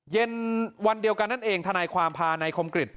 เย็นวันเดียวกันนั่นเองทนายความพานายคมกริจ